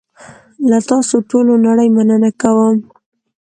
له تاسوټولونړۍ مننه کوم .